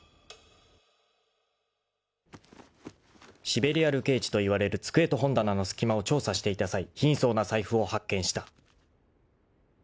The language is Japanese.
［シベリア流刑地といわれる机と本棚のすき間を調査していた際貧相な財布を発見した］